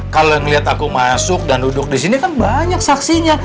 kalo yang liat aku masuk dan duduk disini kan banyak saksinya